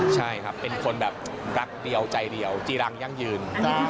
ใช่ครับเป็นคนแบบรักเดียวใจเดียวจีรังยั่งยืน